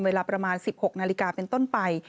เวลาประมาณ๑๖นาฬิกาเป็นต้นไป